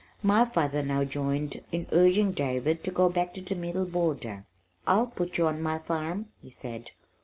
My father now joined in urging David to go back to the middle border. "I'll put you on my farm," he said.